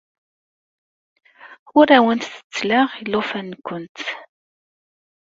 Ur awent-ttettleɣ ilufanen-nwent.